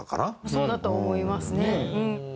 そうだとは思いますね。